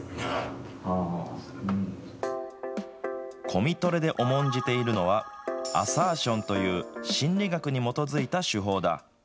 コミトレで重んじているのは、アサーションという、心理学に基づいた手法だ。